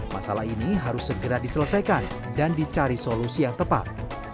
masalah ini harus segera diselesaikan dan dicari solusi yang tepat